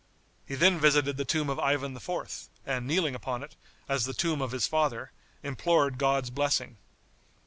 He then visited the tomb of Ivan IV., and kneeling upon it, as the tomb of his father, implored God's blessing.